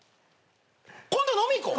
今度飲みに行こう。